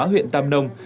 huyện tam nông